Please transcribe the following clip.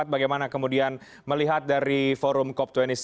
bagaimana kemudian melihat dari forum cop dua puluh satu